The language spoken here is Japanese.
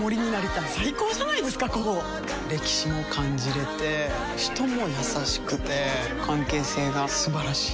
歴史も感じれて人も優しくて関係性が素晴らしい。